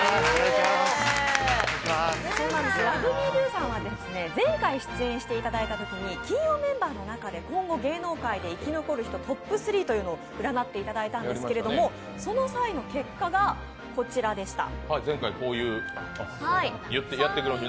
ＬｏｖｅＭｅＤｏさんは前回出演していただいたときに、金曜メンバーの中で今後芸能界で来残る人トップ３を占っていただいたんですけれども、その際の結果がこちらでした。